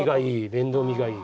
面倒見がいい。